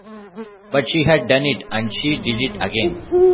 But she had done it, and she did it again.